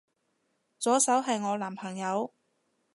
左手係我男朋友